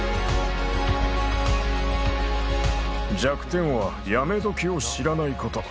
弱点は、やめ時を知らないこと。